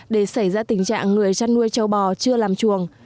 để xảy ra tình trạng người chăn nuôi châu bò chưa làm chuồng